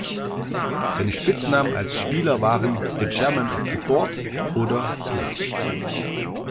Seine Spitznamen als Spieler waren "The Chairman of the Board" oder "Slick".